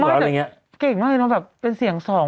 ไงแต่เก่งเงี้ยรึไงเป็นเสียงส่อง